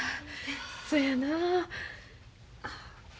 そやなあ。